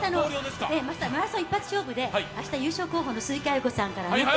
マラソン一発勝負で明日優勝候補の鈴木亜由子さんから。